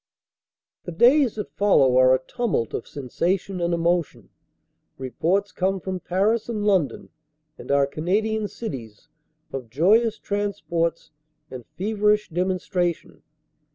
The days that follow are a tumult of sensation and emotion. Reports come from Paris and London and our Canadian cities of joyous transports and feverish demonstration.